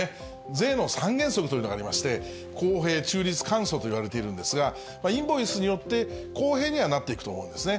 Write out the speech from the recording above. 税の三原則というのがありまして、公平、中立、簡素といわれているんですが、インボイスによって公平にはなっていくと思うんですね。